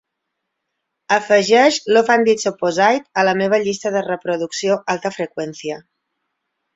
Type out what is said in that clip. Afegeix Love and Its Opposite a la meva llista de reproducció Alta Frecuencia.